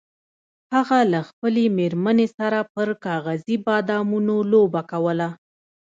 هغه له خپلې میرمنې سره پر کاغذي بادامو لوبه کوله.